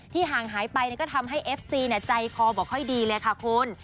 ห่างหายไปก็ทำให้เอฟซีใจคอบอกค่อยดีเลยค่ะคุณ